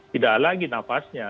tidak ada lagi nafasnya